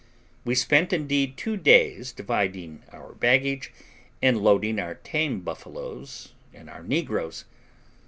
We spent indeed two days dividing our baggage, and loading our tame buffaloes and our negroes.